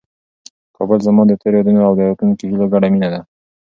کابل زما د تېرو یادونو او د راتلونکي هیلو ګډه مېنه ده.